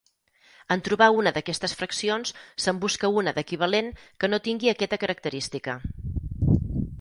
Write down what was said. En trobar una d'aquestes fraccions, se'n busca una d'equivalent que no tingui aquesta característica.